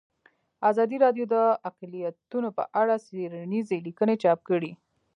ازادي راډیو د اقلیتونه په اړه څېړنیزې لیکنې چاپ کړي.